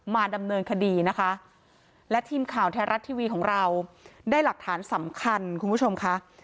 มาดำเนินคดีนะคะและทีมข่าวไทยรัฐทีวีของเราได้หลักฐานสำคัญคุณผู้ชมค่ะ